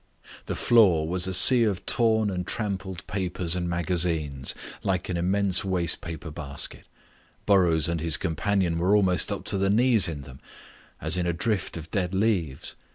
The floor was a sea of torn and trampled papers and magazines, like an immense waste paper basket. Burrows and his companion were almost up to the knees in them, as in a drift of dead leaves.